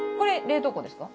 冷凍庫です。